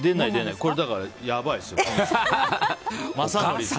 これはだから、やばいですよ。